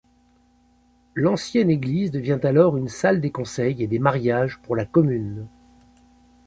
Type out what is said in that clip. L'ancienne église devient alors une salle des conseils et des mariages pour la commune.